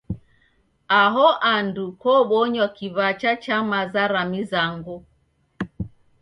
Aho andu kobonywa kiw'acha cha maza ra mizango.